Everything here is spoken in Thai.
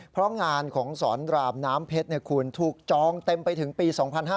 เพราะงานของสอนรามน้ำเพชรคุณถูกจองเต็มไปถึงปี๒๕๕๙